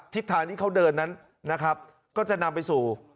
ทิศทางที่เขาเดินนั้นนะครับก็จะนำไปสู่